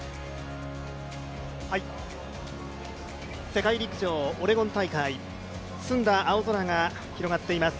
世界陸上オレゴン大会澄んだ青空が広がっています。